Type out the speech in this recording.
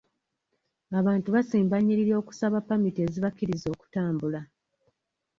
Abantu basimba nnyiriri okusaba pamiti ezibakkiriza okutambula.